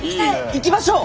行きましょう！